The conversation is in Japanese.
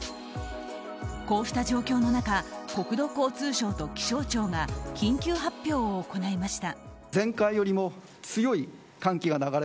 こうした状況の中国土交通省と気象庁が緊急発表を行いました。